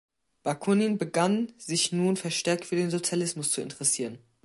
Bakunin begann sich nun verstärkt für den Sozialismus zu interessieren.